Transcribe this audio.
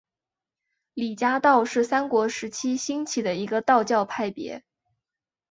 李家道是三国时期兴起的一个道教派别。